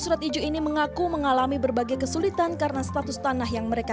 surat ijo ini mengaku mengalami berbagai kesulitan karena status tanah yang mereka